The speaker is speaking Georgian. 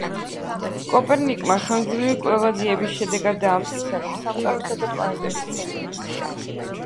კოპერნიკმა ხანგრძლივი კვლევა-ძიების შედეგად დაამტკიცა, რომ სამყაროსა და პლანეტების ცენტრი მზეა.